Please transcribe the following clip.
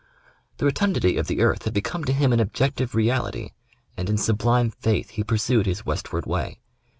The rotundity of the earth had become to him an objective reality, and in sublime faith he pursued his westward way.